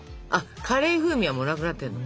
カレー風味はもうなくなってんの？